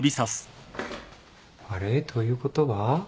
あれ？ということは？